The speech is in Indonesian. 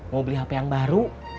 mau beli hp yang baru